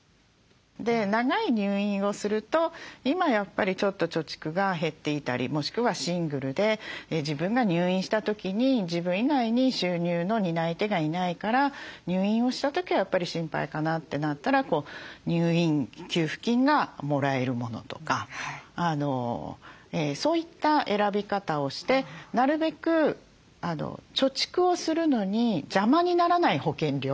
長い入院をすると今やっぱりちょっと貯蓄が減っていたりもしくはシングルで自分が入院した時に自分以外に収入の担い手がいないから入院をした時はやっぱり心配かなってなったら入院給付金がもらえるものとかそういった選び方をしてなるべく貯蓄をするのに邪魔にならない保険料。